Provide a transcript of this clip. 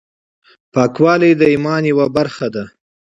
پاکوالی د ایمان یوه برخه ده.